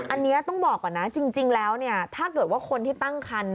อันนี้ต้องบอกก่อนนะจริงแล้วเนี่ยถ้าเกิดว่าคนที่ตั้งคัน